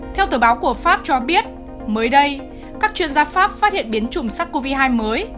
theo tờ báo của pháp cho biết mới đây các chuyên gia pháp phát hiện biến chủng sars cov hai mới